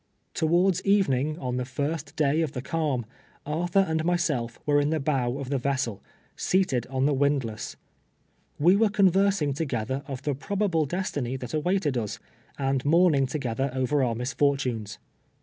Towards evening, on the first day of the calm, Ar thur and myself were in the bow of the vessel, seat ed on the windlass. We were conversing together of the probable destiny that awaited us, and mourning together over our misfortunes.